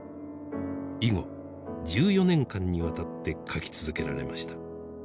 以後１４年間にわたって描き続けられました。